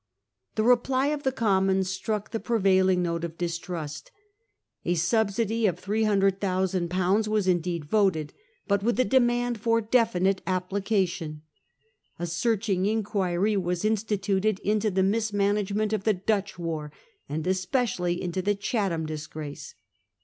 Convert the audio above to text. The reply of the Commons struck the prevailing note of distrust. A subsidy of 300,000/. was indeed voted, Anger of the hut with a demand for definite application. A Commons, searching inquiry was instituted into the mis management of the Dutch war, and especially into the Chatham disgrace.